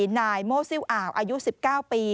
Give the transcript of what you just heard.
นายโมซิลอ่าวอายุ๑๙ปี